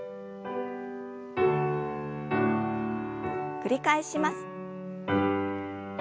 繰り返します。